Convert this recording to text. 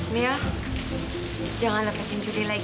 niel jangan lepasin juli lagi ya